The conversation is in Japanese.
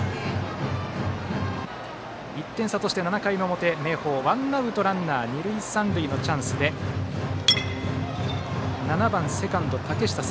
１点差として７回の表、明豊ワンアウト、ランナー二塁三塁のチャンスで７番セカンド。